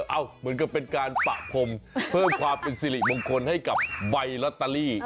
เหมือนกับเป็นการปะพรมเพิ่มความเป็นสิริมงคลให้กับใบลอตเตอรี่